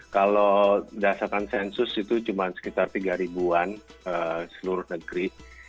kalau berdasarkan sensus itu cuma sekitar tiga ribuan seluruh negeri